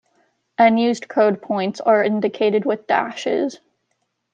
Unused codepoints are indicated with dashes.